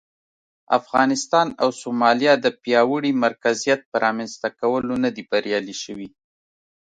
افغانستان او سومالیا د پیاوړي مرکزیت پر رامنځته کولو نه دي بریالي شوي.